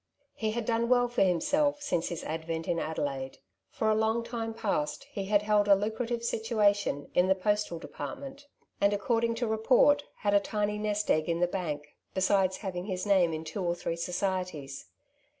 He had done well for himself since his advent in Adelaide. For a long time past he had held a lucrative situation in the Boarding' House Experiences. 45 postal department, and, according to report, had a tiny nest egg in the bank, besides having his name in' two or three societies.